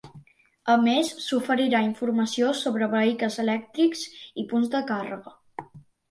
A més, s’oferirà informació sobre vehicles elèctrics i punts de càrrega.